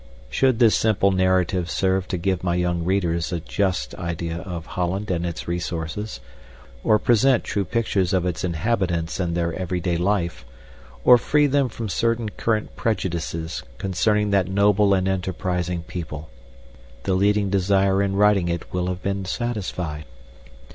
Should this simple narrative serve to give my young readers a just idea of Holland and its resources, or present true pictures of its inhabitants and their every day life, or free them from certain current prejudices concerning that noble and enterprising people, the leading desire in writing it will have been satisfied.